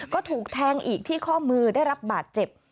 ก็ถูกแทงอีกที่ข้อมือได้รับบาดเจ็บ